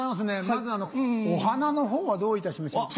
まずお花のほうはどういたしましょう？